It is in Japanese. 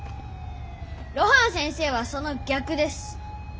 露伴先生はその「逆」です。